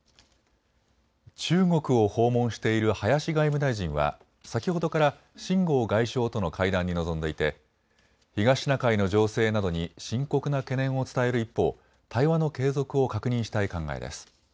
中国を訪問している林外務大臣は先ほどから秦剛外相との会談に臨んでいて東シナ海の情勢などに深刻な懸念を伝える一方、対話の継続を確認したい考えです。